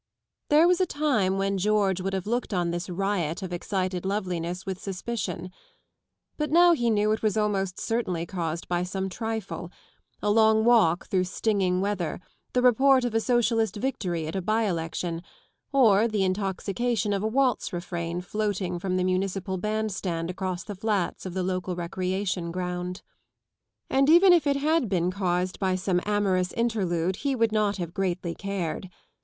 There was a time when George would have looked on this riot of excited loveliness with suspicion. But now he knew it was almost certainly caused by some trifle ŌĆö a long walk through stinging weather, the report of a Socialist victory at a by election, or the intoxication of a waltz refrain floating from the municipal band stand across the flats of the local recreation ground. And even if it had been caused by some amorous interlude he would not have greatly cared.